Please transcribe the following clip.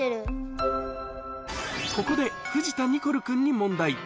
ここで、藤田ニコル君に問題。